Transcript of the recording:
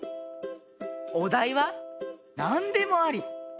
おだいはなんでもあり。